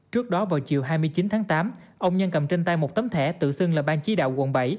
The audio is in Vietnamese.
trước đó vào chiều hai mươi chín tháng tám ông nhân cầm trên tay một tấm thẻ tự xưng là ban chí đạo quận bảy